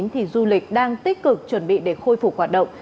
thì du lịch đang tích cực chuẩn bị để khôi phục hoạt động